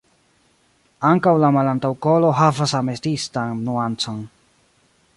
Ankaŭ la malantaŭkolo havas ametistan nuancon.